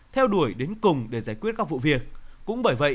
theo đuổi đến cùng để giải quyết các vụ việc